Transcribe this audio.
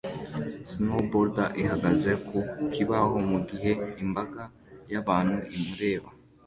Snowboarder ihagaze ku kibaho mu gihe imbaga y'abantu imureba